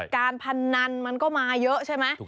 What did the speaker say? การพนันมันก็มาเยอะใช่ไหม